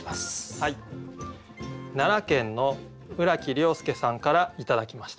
はい奈良県の浦城亮祐さんから頂きました。